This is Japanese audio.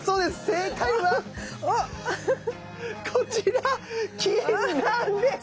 正解はこちらキンランです。